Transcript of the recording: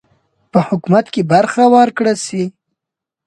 په حکومت کې برخه ورکړه سي.